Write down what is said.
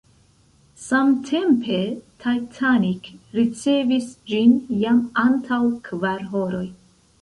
Samtempe "Titanic" ricevis ĝin jam antaŭ kvar horoj.